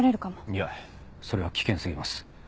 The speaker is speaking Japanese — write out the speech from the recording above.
いやそれは危険過ぎます。